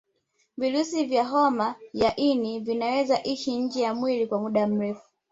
Virusi vya homa ya ini vinaweza ishi nje ya mwili kwa muda mrefu